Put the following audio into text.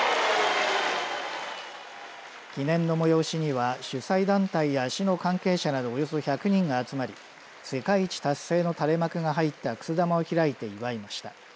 記念の催しには主催団体や市の関係者などおよそ１００人が集まり世界一達成の垂れ幕が入ったくす玉を開いて祝いました。